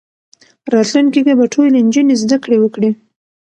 راتلونکي کې به ټولې نجونې زدهکړې وکړي.